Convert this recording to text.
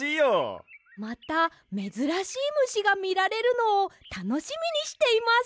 まためずらしいむしがみられるのをたのしみにしています！